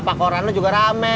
lapak orang lo juga rame